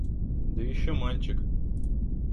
Да еще мальчик!